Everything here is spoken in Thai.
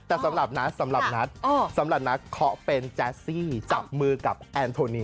แต่สำหรับนัทสำหรับนัทสำหรับนัทเคาะเป็นแจ๊สซี่จับมือกับแอนโทนี